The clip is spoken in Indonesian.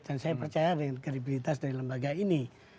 dan saya percaya dengan kredibilitas dari lembaga ini